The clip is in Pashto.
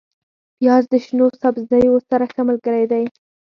پیاز د شنو سبزیو سره ښه ملګری دی